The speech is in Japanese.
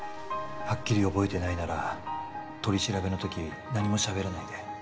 はっきり覚えてないなら取り調べの時何も喋らないで